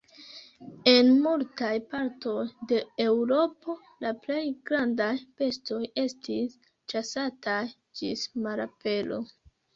En multaj partoj de Eŭropo la plej grandaj bestoj estis ĉasataj ĝis malapero.